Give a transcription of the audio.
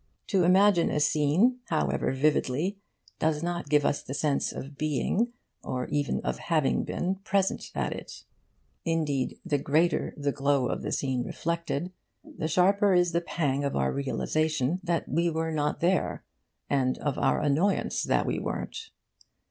To imagine a scene, however vividly, does not give us the sense of being, or even of having been, present at it. Indeed, the greater the glow of the scene reflected, the sharper is the pang of our realisation that we were not there, and of our annoyance that we weren't.